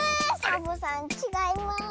サボさんちがいます。